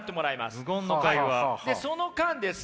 その間ですね